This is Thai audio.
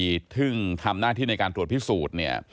ความอธิบดีทึ่งทำหน้าที่ในการตรวจพิสูจน์